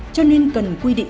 cho nên cần quy định rõ ràng